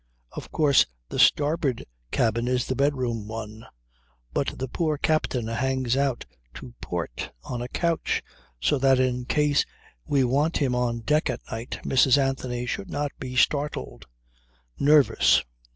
Of course the starboard cabin is the bedroom one, but the poor captain hangs out to port on a couch, so that in case we want him on deck at night, Mrs. Anthony should not be startled. Nervous!